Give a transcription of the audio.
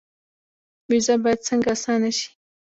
ویزه باید څنګه اسانه شي؟